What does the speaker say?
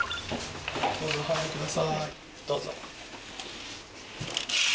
どうぞお入りください。